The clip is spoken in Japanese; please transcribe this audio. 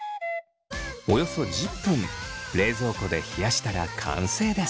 およそ１０分冷蔵庫で冷やしたら完成です。